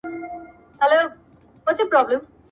هم په تېښته کي چالاک هم زورور وو!.